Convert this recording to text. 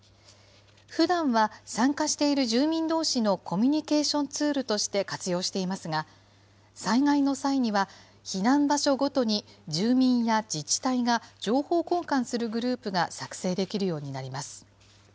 ふだんは参加している住民どうしのコミュニケーションツールとして活用していますが、災害の際には、避難場所ごとに住民や自治体が情報交換するグループが作成できるようになります。